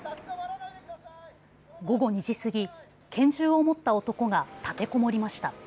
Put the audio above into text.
午後２時過ぎ、拳銃を持った男が立てこもりました。